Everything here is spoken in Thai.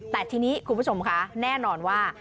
แต่ทีนี้คุณผู้ชมคะแน่นอนว่า